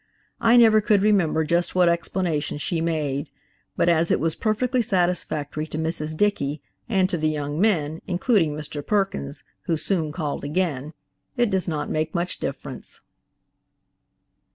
I never could remember just what explanation she made, but as it was perfectly satisfactory to Mrs. Dickey and to the young men, including Mr. Perkins, who soon called again, it does not make much difference.